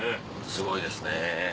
すごいですね。